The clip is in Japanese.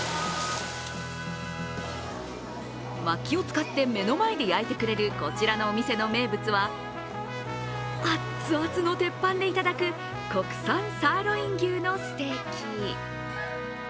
まきを使って目の前で焼いてくれるこちらのお店の名物は熱々の鉄板でいただく国産サーロイン牛のステーキ。